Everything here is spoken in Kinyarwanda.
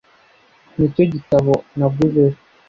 nicyo gitabo naguze ejo